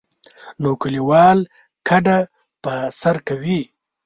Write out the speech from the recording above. نو کلیوال کډه په سر کوي.